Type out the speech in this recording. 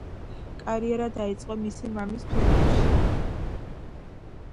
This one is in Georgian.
კარიერა დაიწყო მისი მამის ფილმებში.